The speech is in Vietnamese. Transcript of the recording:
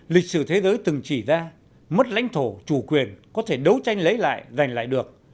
lịch sử thế giới từng chỉ ra mất lãnh thổ chủ quyền có thể đấu tranh lấy lại giành lại được